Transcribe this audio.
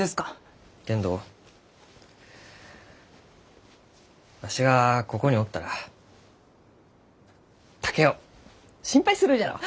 けんどわしがここにおったら竹雄心配するじゃろう？